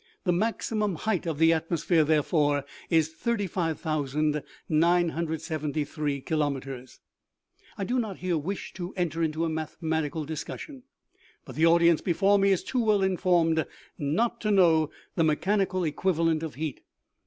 The maximum height of the atmosphere, therefore, is 35,973 kilometers. " I do not here wish to enter into a mathematical dis cussion. But the audience before me is too well informed not to know the mechanical equivalent of heat.